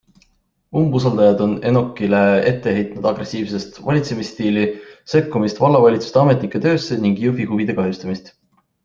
Umbusaldajad on Enokile ette heitnud agressiivset valitsemisstiili, sekkumist vallavalitsuse ametnike töösse ning Jõhvi huvide kahjustamist.